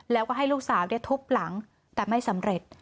แล้วก็ให้ลูกสาวทุบหลังแต่ไม่สำเร็จ